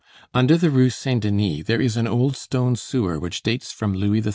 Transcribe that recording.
Under the Rue Saint Denis there is an old stone sewer which dates from Louis XIII.